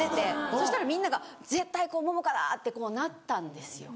そしたらみんなが絶対これ桃花だ！ってなったんですよ